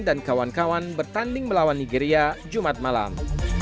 dan kawan kawan bertanding melawan nigeria jumat malam